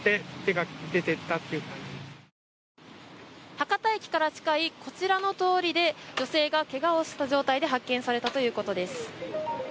博多駅から近いこちらの通りで女性が怪我をした状態で発見されたということです。